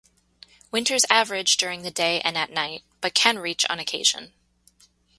Winters average during the day and at night, but can reach on occasion.